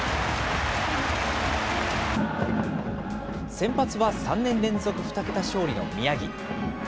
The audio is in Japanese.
先発は３年連続２桁勝利の宮城。